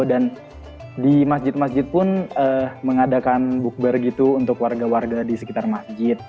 dan di masjid masjid pun mengadakan bukber gitu untuk warga warga di sekitar masjid